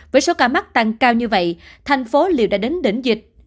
với số ca mắc tăng cao như vậy thành phố đều đã đến đỉnh dịch